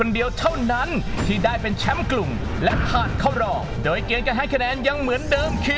เดี๋ยวล่ะครับ